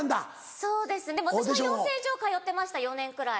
そうですねでも私も養成所通ってました４年くらい。